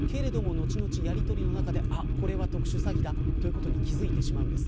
後々、やりとりの中でこれは特殊詐欺だということに気付いてしまうんです。